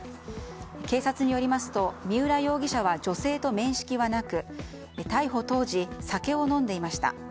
警察によりますと三浦容疑者は女性と面識はなく逮捕当時、酒を飲んでいました。